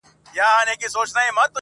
څوك به بېرته لوپټه د خور پر سر كي؛